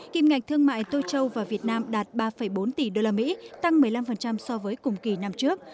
kim ngạch thương mại tô châu và việt nam đạt ba bốn tỷ usd tăng một mươi năm so với cùng kỳ năm trước